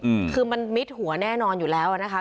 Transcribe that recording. อืมคือมันมิดหัวแน่นอนอยู่แล้วอ่ะนะคะ